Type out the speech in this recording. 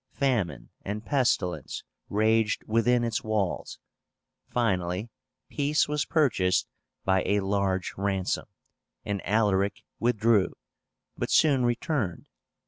Famine and pestilence raged within its walls. Finally peace was purchased by a large ransom, and Alaric withdrew, but soon returned.